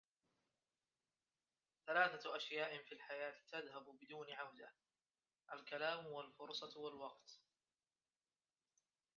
ثلاثة أشياء في الحياة تذهب بدون عودة: الكلام – الفرصة - الوقت.